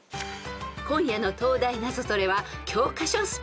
［今夜の東大ナゾトレは教科書ＳＰ］